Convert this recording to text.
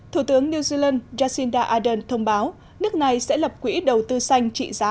thủ tướng new zealand jacinda ardern thông báo nước này sẽ lập quỹ đầu tư xanh trị giá